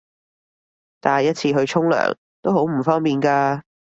帶一次去沖涼都好唔方便㗎